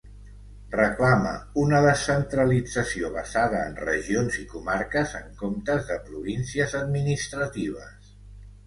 Reclama una descentralització basada en regions i comarques en comptes de províncies administratives.